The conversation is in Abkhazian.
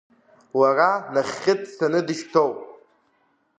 Лара нахьхьи дцаны дышьҭоуп!